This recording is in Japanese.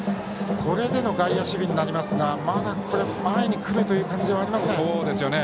これでの外野守備ですが前に来るという感じはありません。